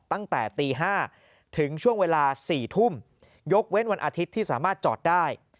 ตั้งแต่ตี๕ถึงช่วงเวลา๔ทุ่มยกเว้นวันอาทิตย์ที่สามารถจอดได้